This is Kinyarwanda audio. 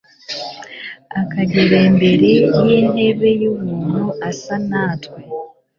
akagerimbere yintebe yubuntu asa natwe